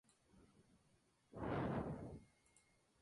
A sus pies se ubica el Río Ñuble, de ahí su nombre.